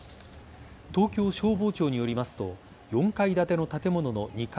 東京消防庁によりますと４階建ての建物の２階